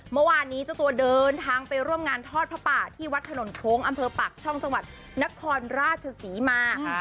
เมื่อวานนี้เจ้าตัวเดินทางไปร่วมงานทอดพระป่าที่วัดถนนโค้งอำเภอปากช่องจังหวัดนครราชศรีมา